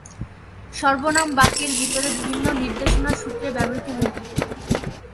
সর্বনাম বাক্যের ভিতরে বিভিন্ন নির্দেশনার সূত্রে ব্যবহৃত হয়ে থাকে।